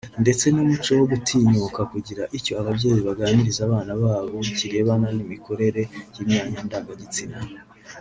ndetse n’umuco wo kudatinyuka kugira icyo ababyeyi baganiriza abana babo kirebana n’imikorere y’imyanya ndangagitsina